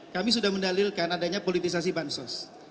kami sudah mendalilkan adanya politisasi bansos